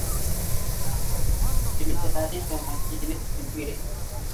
Imetayarishwa na Kennes Bwire